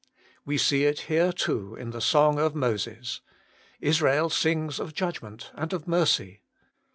"We see it here too in the song of Moses : Israel sings of judgment and of mercy.